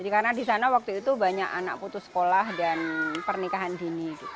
karena di sana waktu itu banyak anak putus sekolah dan pernikahan dini